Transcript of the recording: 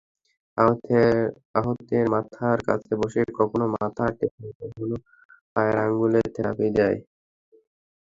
আহতের মাথার কাছে বসে কখনো মাথা টেপে, কখনো পায়ের আঙুলে থেরাপি দেয়।